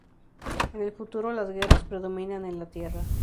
En el futuro, las guerras predominan en la Tierra.